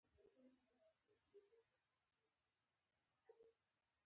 خور د خوږو خوړلو شوق لري.